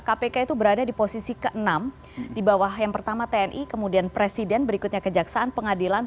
kpk itu berada di posisi ke enam di bawah yang pertama tni kemudian presiden berikutnya kejaksaan pengadilan